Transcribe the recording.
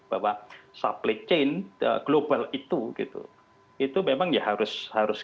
bahwa supply chain global itu gitu itu memang ya harus harus